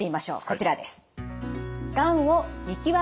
こちらです。